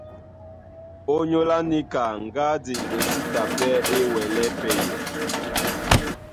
Ónyólá níka, ŋgádi e sí ta pɛ́ é wɛlɛ́ pɛyɛ.